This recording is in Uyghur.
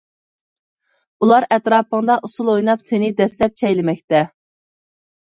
ئۇلار ئەتراپىڭدا ئۇسۇل ئويناپ سېنى دەسسەپ چەيلىمەكتە.